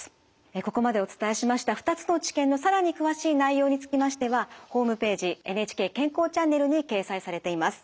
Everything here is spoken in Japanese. ここまでお伝えしました２つの治験の更に詳しい内容につきましてはホームページ「ＮＨＫ健康チャンネル」に掲載されています。